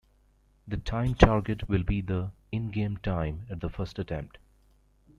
The time target will be the in-game time at the first attempt.